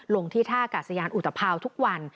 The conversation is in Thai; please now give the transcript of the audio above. ลงที่ท่ากัดสะยานอุตภัวร์ทุกวัน